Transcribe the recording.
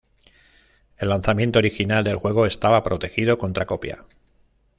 El lanzamiento original del juego estaba protegido contra copia.